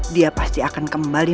dia pasti akan kembali